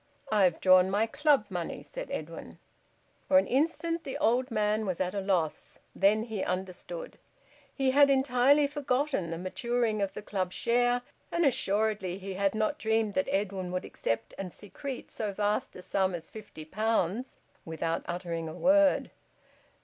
"I've drawn my Club money," said Edwin. For an instant the old man was at a loss; then he understood. He had entirely forgotten the maturing of the Club share, and assuredly he had not dreamed that Edwin would accept and secrete so vast a sum as fifty pounds without uttering a word.